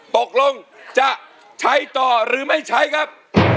ตกลงจะใช้ต่อหรือไม่ใช้ครับ